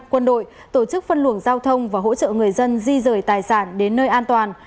quân đội tổ chức phân luồng giao thông và hỗ trợ người dân di rời tài sản đến nơi an toàn